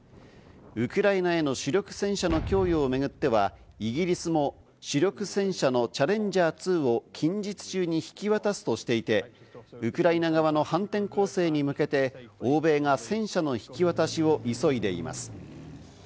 ウクライナへの主力戦車の供与をめぐっては、イギリスも主力戦車の「チャレンジャー２」を近日中に引き渡すとしていて、ウクライナ側の反転攻勢に向けて欧米が戦車の引き渡しを急いでいます。